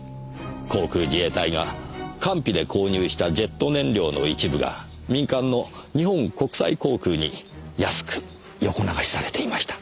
航空自衛隊が官費で購入したジェット燃料の一部が民間の日本国際航空に安く横流しされていました。